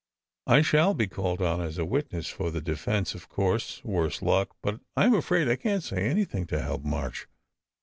I shall be called on as a witness for the defence, of course, worse luck but I m afraid I can t say anything to help March.